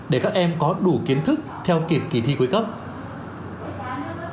để các em có đủ kiến thức theo kiểm kỳ thi của các em